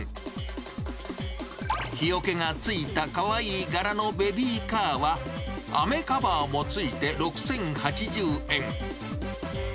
日よけがついたかわいい柄のベビーカーは、雨カバーもついて６０８０円。